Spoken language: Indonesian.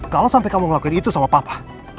kalau sampai kamu ngelakuin itu sama papa